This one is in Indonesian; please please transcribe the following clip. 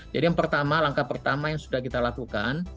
jadi yang pertama langkah pertama yang sudah kita lakukan